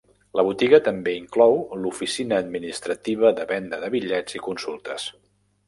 La botiga també inclou l'oficina administrativa de venda de bitllets i consultes.